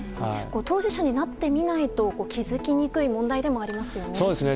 当事者になってみないと気づきにくい問題でもありますよね。